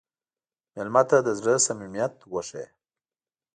مېلمه ته د زړه صمیمیت وښیه.